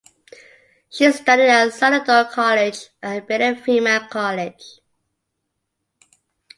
She studied at Salado College and Baylor Female College.